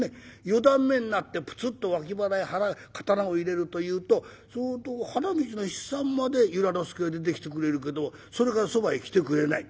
四段目になってプツッと脇腹へ刀を入れるというとそうすると花道の七三まで由良之助が出てきてくれるけどそれからそばへ来てくれない。